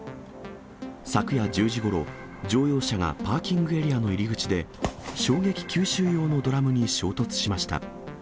昨夜１０時ごろ、乗用車がパーキングエリアの入り口で、衝撃吸収用のドラムに衝突しました。